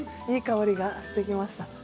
いい香りがしてきました。